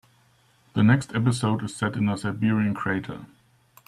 The next episode is set in a Siberian crater.